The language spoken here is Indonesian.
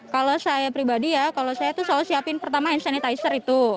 kalau saya pribadi ya kalau saya tuh selalu siapin pertama hand sanitizer itu